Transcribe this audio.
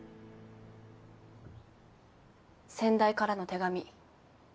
先代からの手紙。